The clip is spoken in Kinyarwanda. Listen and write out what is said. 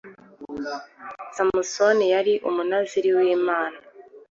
samusoni yari umunaziri w’imana